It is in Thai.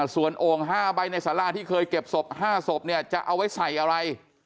ส่วนโอ่ง๕ใบในสาราที่เคยเก็บศพ๕ศพเนี่ยจะเอาไว้ใส่อะไร